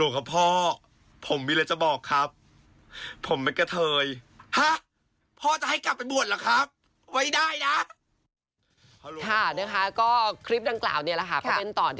ค่ะนะคะก็คลิปดังกล่าวเนี่ยแหละค่ะ